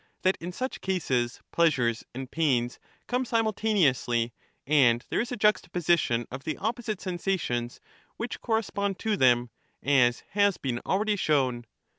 That in such cases pleasures and pains come simul taneously; and there is a juxtaposition of the opposite sensations which correspond to them, as has been already shown.